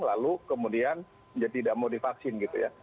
lalu kemudian jadi tidak mau divaksin gitu ya